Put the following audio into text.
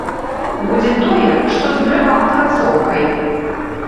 Будзе тое, што з дрэваапрацоўкай.